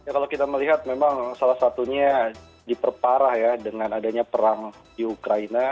kalau kita melihat memang salah satunya diperparah ya dengan adanya perang di ukraina